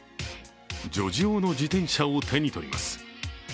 女児用の自転車を手に取ります。